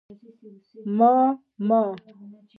_ما، ما